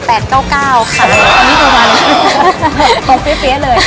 ต้องเฟ้ยเลย